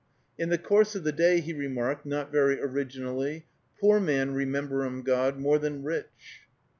In the course of the day, he remarked, not very originally, "Poor man rememberum God more than rich."